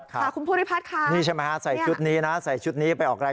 คุณพูนิพัฒน์ค่ะ